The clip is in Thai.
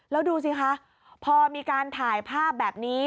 แล้วดูสิคะพอมีการถ่ายภาพแบบนี้